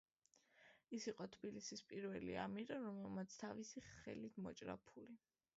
ეს იყო თბილისის პირველი ამირა, რომელმაც თავისი სახელით მოჭრა ფული.